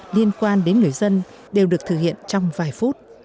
liên quan đến người dân đều được thực hiện trong vài phút